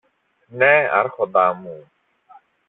Ναι, Άρχοντα μου.